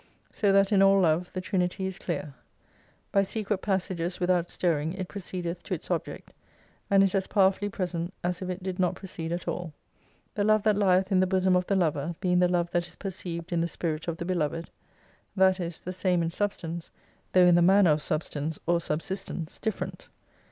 So that in all Love, the Trinity is clear. By secret passages without stirring it proceedeth to its object, and is as powerfully present as if it did not proceed at all. The Love that lieth in the bosom of the Lover, being the love that is perceived in the spirit of the Beloved : that is, the same in substance, tho' in the manner of substance, or subsistence, different.